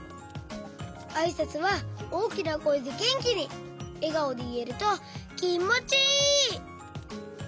あいさつはおおきなこえでげんきにえがおでいえるときもちいい！